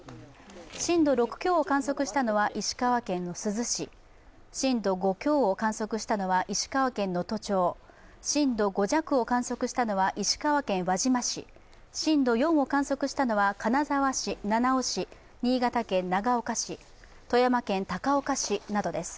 震度６強を観測したのは石川県珠洲市、震度５強を観測したのは石川県能登町、震度５弱を観測したのは石川県輪島市震度４を観測したのは金沢市、七尾市、新潟県長岡市、富山県高岡市などです。